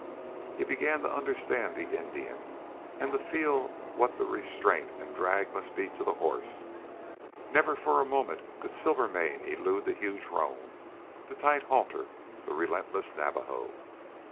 He began to understand the Indian, and to feel what the restraint and drag must be to the horse. Never for a moment could Silvermane elude the huge roan, the tight halter, the relentless Navajo.